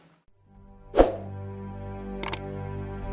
sampai jumpa di video selanjutnya